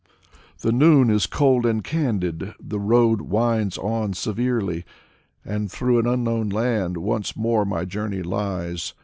The noon is cold and candid, the road winds on severely, And through an unknown land once more my journey lies.